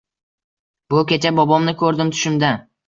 Bu kecha bobomni koʻrdim tushimda –